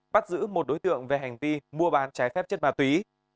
bắt giữ một đối tượng về hành vi mua bán trái phép chất ma túy